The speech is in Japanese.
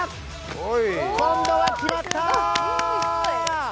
今度は決まった！